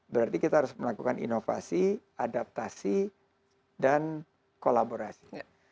berarti kita harus melakukan inovasi adaptasi dan kolaborasi